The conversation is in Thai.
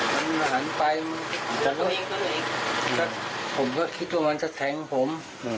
มันหันไปแต่รถผมก็คิดว่ามันจะแทงผม